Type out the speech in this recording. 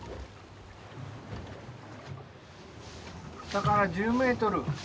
下から１０メートル。